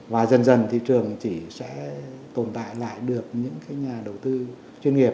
và dần dần thị trường chỉ sẽ tồn tại lại được những nhà đầu tư chuyên nghiệp